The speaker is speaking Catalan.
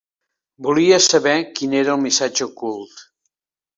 Volia saber quin era el missatge ocult.